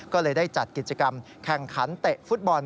ก็เลยได้จัดกิจกรรมแข่งขันเตะฟุตบอล